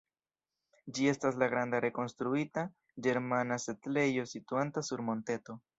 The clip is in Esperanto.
Ĝi estas la granda rekonstruita ĝermana setlejo situanta sur monteto.